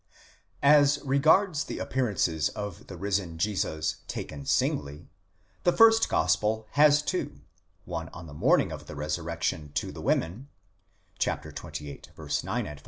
% As regards the appearances of the risen Jesus taken singly, the first gospel has two: one on the morning of the resurrection to the women (xxviii. 9 f.)